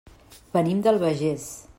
Venim de l'Albagés.